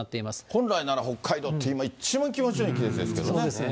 本来なら北海道って、今、一番気持ちのいい季節ですけどね。